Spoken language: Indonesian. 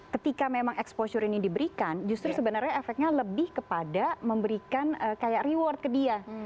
ketika memang exposure ini diberikan justru sebenarnya efeknya lebih kepada memberikan kayak reward ke dia